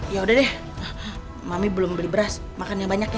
ya udah deh mami belum beli beras makannya banyak ya